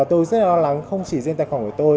tôi rất lo lắng không chỉ riêng tài khoản của tôi